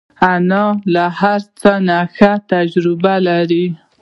انا له هر څه نه ښه تجربه لري